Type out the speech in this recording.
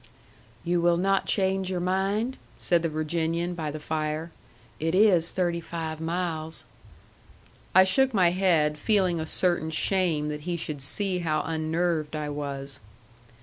"You will not change your mind?" said the Virginian by the fire. "It is thirty five miles." I shook my head, feeling a certain shame that he should see how unnerved I was.